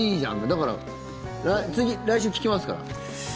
だから次、来週聞きますから。